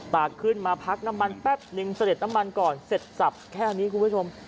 ตากขึ้นมาพักน้ำมันแป๊บนึงเสด็จน้ำมันก่อนเสร็จสับแค่นี้คุณผู้ชม